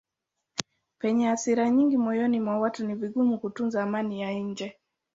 Penye hasira nyingi moyoni mwa watu ni vigumu kutunza amani ya nje.